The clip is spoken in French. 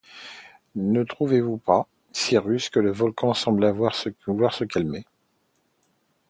Ne trouvez-vous pas, Cyrus, que le volcan semble vouloir se calmer ?